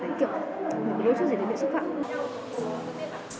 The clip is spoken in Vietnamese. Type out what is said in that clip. kiểu đối chốt gì thì bị xúc phạm